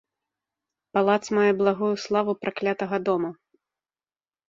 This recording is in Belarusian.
Палац мае благую славу праклятага дома.